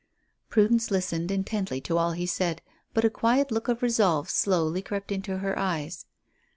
Prudence listened intently to all he said, but a quiet look of resolve slowly crept into her eyes.